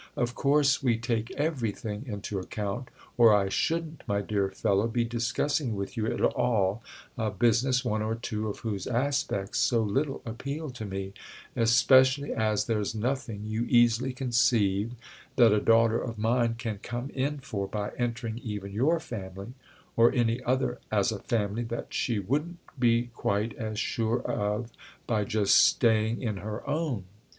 "Of course we take everything into account—or I shouldn't, my dear fellow, be discussing with you at all a business one or two of whose aspects so little appeal to me: especially as there's nothing, you easily conceive, that a daughter of mine can come in for by entering even your family, or any other (as a family) that she wouldn't be quite as sure of by just staying in her own.